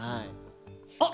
あっ！